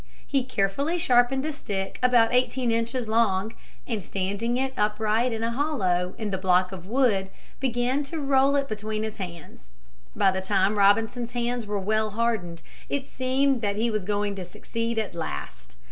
He carefully sharpened a stick about eighteen inches long and, standing it upright in a hollow in the block of wood, began to roll it between his hands. By the time Robinson's hands were well hardened, it seemed that he was going to succeed at last.